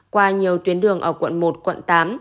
qua nhiều tuyến đường ở quận một quận tám